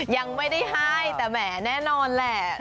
ยังไม่ได้ให้แต่แหมแน่นอนแหละ